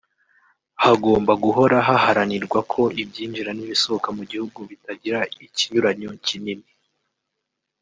Hagomba guhora haharanirwa ko ibyinjira n’ibisohoka mu gihugu bitagira ikinyuranyo kinini